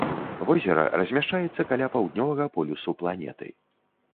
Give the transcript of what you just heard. Возера размяшчаецца каля паўднёвага полюсу планеты.